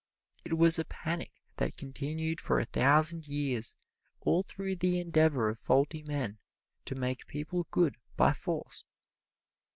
It was a panic that continued for a thousand years, all through the endeavor of faulty men to make people good by force.